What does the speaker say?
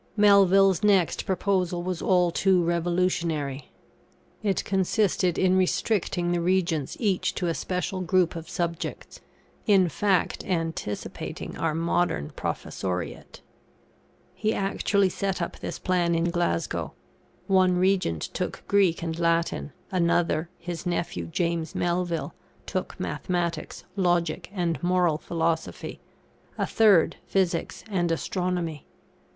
Melville's next proposal was all too revolutionary. It consisted in restricting the Regents each to a special group of subjects; in fact, anticipating our modern professoriate. He actually set up this plan in Glasgow: one Regent took Greek and Latin; another, his nephew, James Melville, took Mathematics, Logic, and Moral Philosophy; a third, Physics and Astronomy.